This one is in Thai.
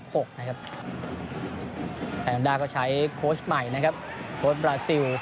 ไทหอนดาก็ใช้โคชใหม่